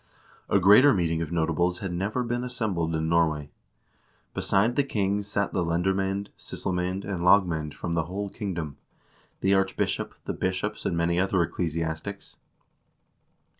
A greater meeting of notables had never assembled in Norway. Beside the king sat the lendermcBnd, sysselmcend, and lagmcend from the whole kingdom ; the archbishop, the bishops, and many other ecclesiastics.